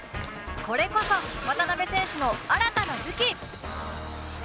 これこそ渡邊選手の新たな武器。